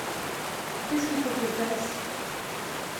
Qu'est-ce qu'il faut que je fasse ?